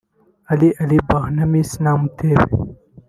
Ali Alibhai na Miss Namutebi